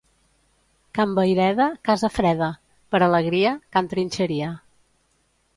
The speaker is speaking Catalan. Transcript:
Can Vayreda, casa freda. Per alegria, Can Trinxeria.